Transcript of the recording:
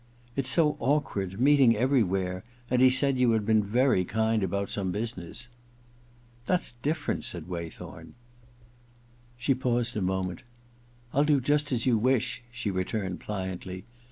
It's so awkward, meeting everywhere — and he said you had been very kind about some business.' * That's diflFerent,' said Waythorn. She paused a moment. * I'll do just as you wish,' she returned pliantly.